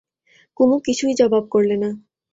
কুমু কিছুই জবাব করলে না।